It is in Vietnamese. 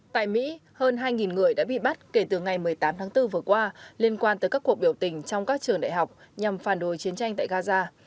tại mỹ hơn hai người đã bị bắt kể từ ngày một mươi tám tháng bốn vừa qua liên quan tới các cuộc biểu tình trong các trường đại học nhằm phản đối chiến tranh tại gaza